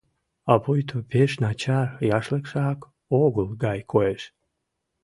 А пуйто пеш начар яшлыкшак огыл гай коеш.